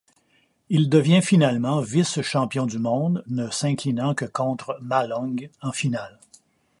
Il devient finalement vice-champion du monde, ne s'inclinant que contre Ma Long en finale.